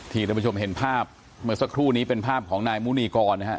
ท่านผู้ชมเห็นภาพเมื่อสักครู่นี้เป็นภาพของนายมุนีกรนะฮะ